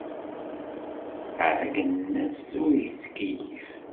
Ɛeyyneɣ-as ur yettkeyyif.